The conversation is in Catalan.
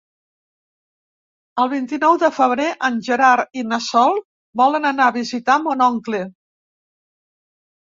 El vint-i-nou de febrer en Gerard i na Sol volen anar a visitar mon oncle.